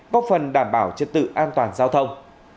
góp phần đảm bảo trật tự an toàn giao thông